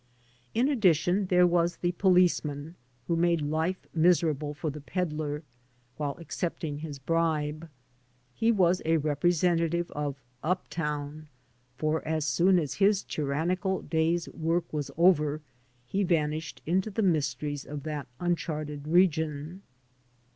In addition, there was the police man, who made life miserable for the peddlei, while ^ accepting his bribe. He was a representative of *^ up town,'' for as soon as his tyrannical day's work was over he vanished into the mysteries of that uncharted region.